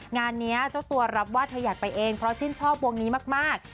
งานนี้เจ้าตัวรับว่าเธออยากไปเองเพราะชื่นชอบวงนี้มาก